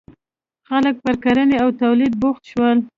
• خلک پر کرنې او تولید بوخت شول.